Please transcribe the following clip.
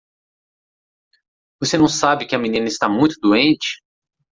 Você não sabe que a menina está muito doente?